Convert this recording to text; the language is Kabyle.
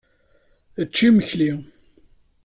Ečč imekli.